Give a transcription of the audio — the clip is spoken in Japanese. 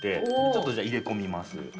ちょっとじゃあ入れ込みます。